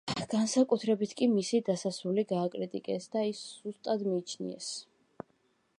განსაკუთრებით კი მისი დასასრული გააკრიტიკეს და ის სუსტად მიიჩნიეს.